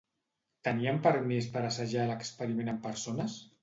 Tenien permís per assajar l'experiment amb persones?